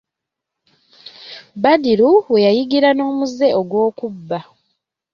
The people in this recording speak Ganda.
Badru we yayigira n'omuze ogw'okubba.